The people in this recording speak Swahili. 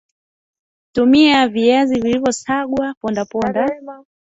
tumia Viazi vilivyosagwa pondwa pondwa